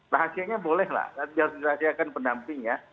rahasianya boleh lah harus dirahasiakan pendampingnya